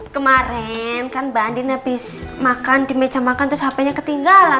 kemarin kan banding habis makan di meja makan terus hp nya ketinggalan